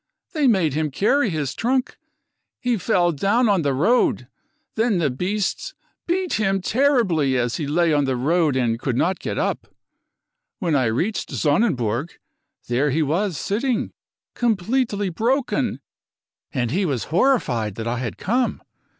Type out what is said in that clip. They made him carry his trunk. ... He fell down on the road. Then the beasts beat him terribly as he lay on the road and could not get up. When I reached Sonnenburg, there he was sitting, com pletely broken, and he was horrified that I had come.